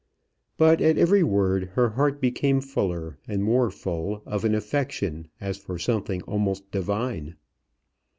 But at every word her heart became fuller and more full of an affection as for something almost divine.